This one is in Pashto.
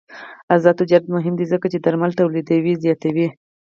آزاد تجارت مهم دی ځکه چې درمل تولید زیاتوي.